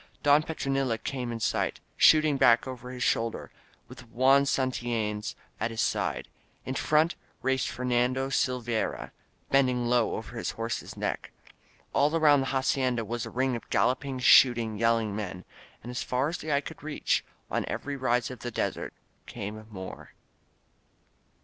Don Petronilo came in sight, shooting back over his shoulder, with Juan Santillanes at his side. In front raced Fernando Silveyra, bending low over his horse's neck. All around the hacienda was a ring of galloping, shooting, yelling men ; and as far as the eye could reach, on every rise of the desert, came more.